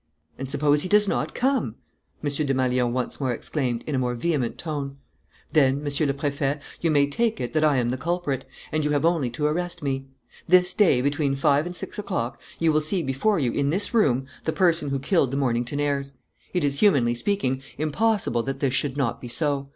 "And suppose he does not come?" M. Desmalions once more exclaimed, in a more vehement tone. "Then, Monsieur le Préfet, you may take it that I am the culprit; and you have only to arrest me. This day, between five and six o'clock, you will see before you, in this room, the person who killed the Mornington heirs. It is, humanly speaking, impossible that this should not be so.